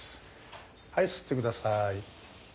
はい吸って下さい。